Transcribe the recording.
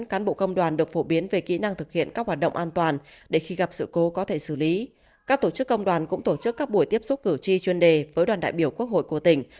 các tổ chức công đoàn cũng tổ chức các buổi tiếp xúc cử tri chuyên đề với đoàn đại biểu quốc hội của tỉnh